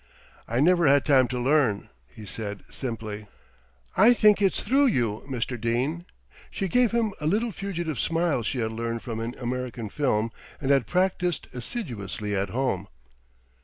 "I never had time to learn," he said simply. "I think it's through you, Mr. Dene." She gave him a little fugitive smile she had learned from an American film, and had practised assiduously at home.